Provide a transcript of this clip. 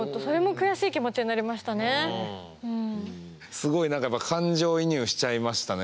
すごい何かやっぱ感情移入しちゃいましたね。